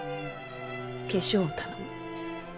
化粧を頼む。